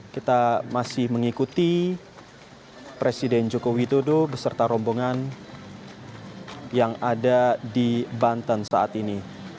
kita masih mengikuti presiden joko widodo beserta rombongan yang ada di banten saat ini